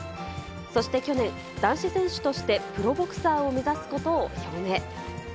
そして去年、男子選手としてプロボクサーを目指すことを表明。